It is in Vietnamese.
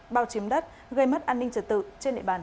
bao chiếm đất gây mất an ninh trật tự trên địa bàn